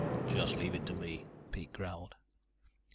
"Just leave it to me," Pete growled.